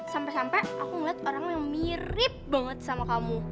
sampai sampai aku ngeliat orang yang mirip banget sama kamu